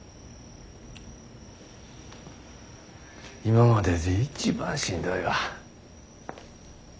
今までで一番しんどいわ。